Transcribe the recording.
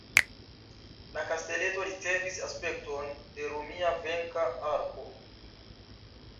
La kasteleto ricevis aspekton de romia venka arko.